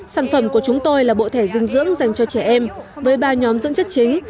sản phẩm của chúng tôi là bộ thẻ dinh dưỡng dành cho trẻ em với ba nhóm dưỡng chất chính